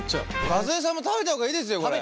和江さんも食べた方がいいですよこれ。